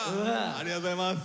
ありがとうございます。